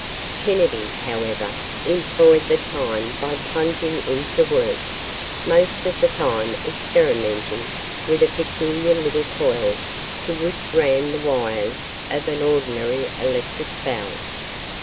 Kennedy, however, employed the time by plunging into work, most of the time experimenting with a peculiar little coil to which ran the wires of an ordinary electric bell.